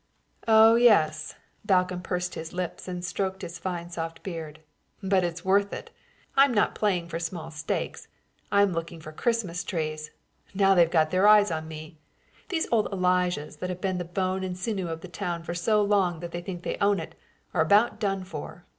"Oh, yes!" Balcomb pursed his lips and stroked his fine soft beard. "But it's worth it. I'm not playing for small stakes. I'm looking for Christmas trees. Now they've got their eyes on me. These old Elijahs that have been the bone and sinew of the town for so long that they think they own it, are about done for.